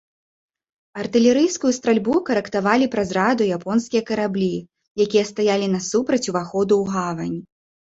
Артылерыйскую стральбу карэктавалі праз радыё японскія караблі, якія стаялі насупраць уваходу ў гавань.